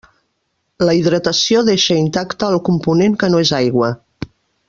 La hidratació deixa intacte el component que no és aigua.